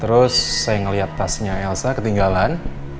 terus saya ngeliat tasnya elsa ketinggalan